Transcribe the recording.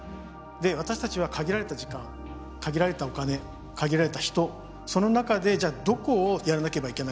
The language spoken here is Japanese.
で私たちは限られた時間限られたお金限られた人その中でじゃあどこをやらなければいけないか。